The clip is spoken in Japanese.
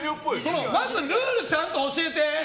まずルールちゃんと教えて！